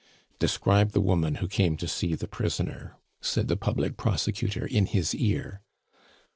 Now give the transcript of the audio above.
"Describe the woman who came to see the prisoner," said the public prosecutor in his ear.